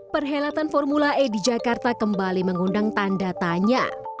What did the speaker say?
perhelatan formula e di jakarta kembali mengundang tanda tanya